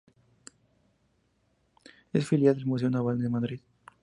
Es filial del Museo Naval de Madrid.